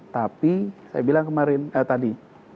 tapi saya bilang kemarin tadi